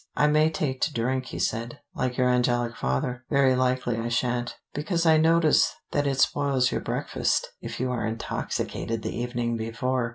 "I may take to drink," he said, "like your angelic father. Very likely I shan't, because I notice that it spoils your breakfast if you are intoxicated the evening before.